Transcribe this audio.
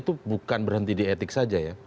itu bukan berhenti di etik saja ya